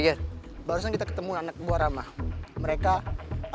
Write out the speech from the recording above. wah belum tahu tenaganya